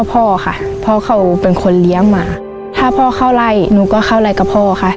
พ่อค่ะพ่อเขาเป็นคนเลี้ยงมาถ้าพ่อเข้าไล่หนูก็เข้าไล่กับพ่อค่ะ